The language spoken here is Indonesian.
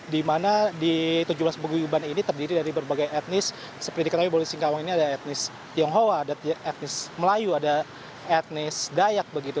di mana di tujuh belas peguyuban ini terdiri dari berbagai etnis seperti diketahui bahwa di singkawang ini ada etnis tionghoa ada etnis melayu ada etnis dayak begitu